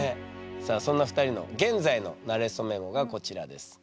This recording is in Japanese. さあそんな２人の現在のなれそメモがこちらです。